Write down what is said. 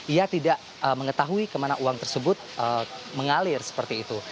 ia tidak mengetahui kemana uang tersebut mengalir seperti itu